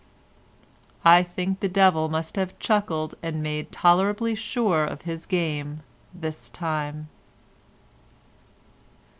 I think the devil must have chuckled and made tolerably sure of his game this time.